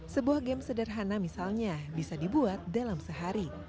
sebuah game sederhana misalnya bisa dibuat dalam sehari